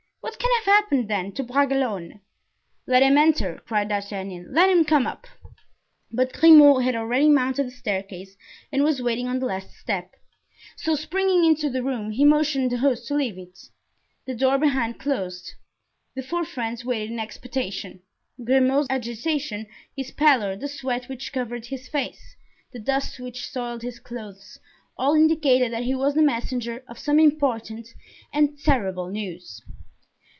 What can have happened, then, to Bragelonne?" "Let him enter," cried D'Artagnan; "let him come up." But Grimaud had already mounted the staircase and was waiting on the last step; so springing into the room he motioned the host to leave it. The door being closed, the four friends waited in expectation. Grimaud's agitation, his pallor, the sweat which covered his face, the dust which soiled his clothes, all indicated that he was the messenger of some important and terrible news.